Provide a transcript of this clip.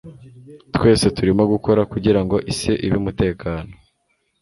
twese turimo gukora kugirango isi ibe umutekano